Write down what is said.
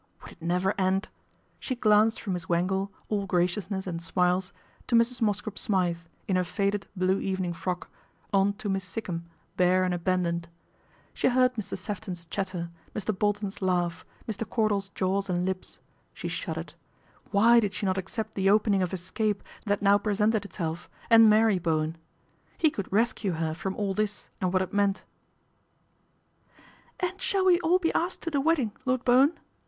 Would it never end ? She glanced from Miss Wangle, all graciousness and smiles, to Mrs. Mosscrop Smythe, in her faded blue evening frock, on to Miss Sikkum bare and abandoned. She heard Mr. Sefton's chatter, Mr. Bolton's laugh, Mr. Cordal's jaws and lips. She shuddered. Why did not she accept the opening of escape that now presented itself and marry Bowen? He could rescue her from all this and what it meant. " And shall we all be asked to the wedding, Lord Bowen ?